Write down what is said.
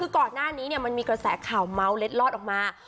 คือก่อนหน้านี้มันมีกระแสข่าวเมาส์เล็ดลอดออกมา